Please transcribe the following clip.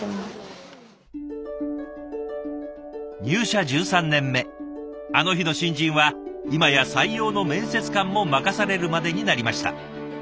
入社１３年目あの日の新人は今や採用の面接官も任されるまでになりました。